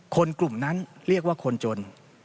คนกลุ่มนั้นเรียกว่าคนจน